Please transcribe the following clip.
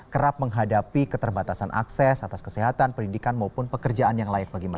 kerap menghadapi keterbatasan akses atas kesehatan pendidikan maupun pekerjaan yang layak bagi mereka